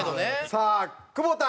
さあ久保田。